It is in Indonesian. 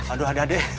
aduh ada aneh